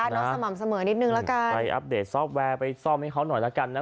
สม่ำเสมอนิดนึงละกัน